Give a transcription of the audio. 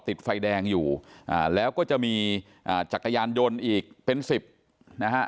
ติดไฟแดงอยู่อ่าแล้วก็จะมีอ่าจักรยานยนต์อีกเป็นสิบนะฮะ